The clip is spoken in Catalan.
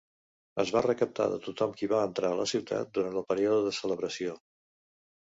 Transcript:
Es va recaptar de tothom qui va entrar a la ciutat durant el període de celebració.